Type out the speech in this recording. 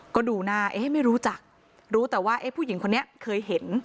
ก็ดูหน้าไม่รู้จักรู้แต่ว่าผู้หญิงคนนี้เคยเห็น